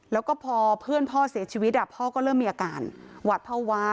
แล้วก็พอเพื่อนพ่อเสียชีวิตพ่อก็เริ่มมีอาการหวัดภาวะ